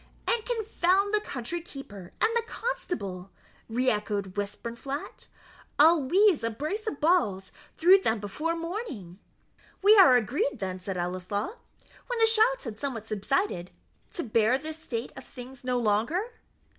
"And confound the country keeper and the constable!" re echoed Westburnflat; "I'll weize a brace of balls through them before morning." "We are agreed, then," said Ellieslaw, when the shouts had somewhat subsided, "to bear this state of things no longer?"